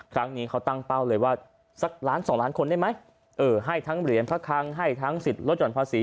ครั้งนี้เขาตั้งเป้าเลยว่าสัก๑๒ล้านคนได้ไหมให้ทั้งเหรียญพลักครั้งให้ทั้งสิทธิ์ลดจ่อนภาศี